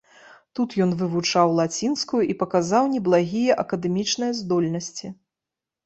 Тут ён вывучаў лацінскую і паказаў неблагія акадэмічныя здольнасці.